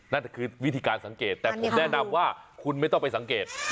นั่นคือวิธีการสังเกตแต่ผมแนะนำว่าคุณไม่ต้องไปสังเกต